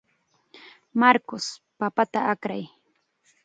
Marcos, papata akray.